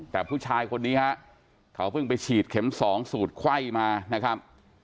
แต่ผู้ชายคนนี้ฮะเขาเพิ่งไปฉีดเข็ม๒สูตรไข้มานะครับ